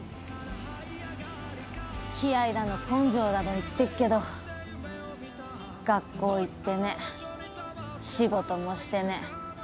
気合だの根性だの言ってっけど学校行ってねえ仕事もしてねえ